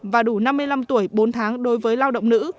và đủ năm mươi năm tuổi bốn tháng đối với lao động nữ